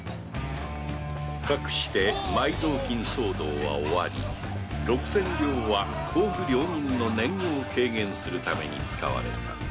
かくして埋蔵金騒動は終わり六千両は甲府領民の年貢を軽減するために使われた